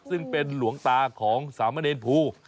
ซึ่งเป็นหลวงตาของสามเณรภู